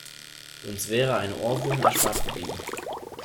Uns wäre ein Ohrwurm erspart geblieben.